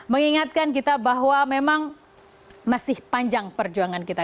mengingatkan kita bahwa memang masih panjang perjuangan kita